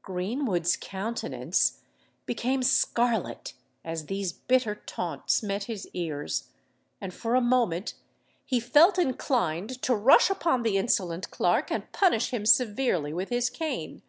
Greenwood's countenance became scarlet as these bitter taunts met his ears; and for a moment he felt inclined to rush upon the insolent clerk and punish him severely with his cane.